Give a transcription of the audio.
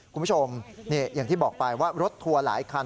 คุณผู้ชมอย่างที่บอกไปว่ารถทัวร์หลายคัน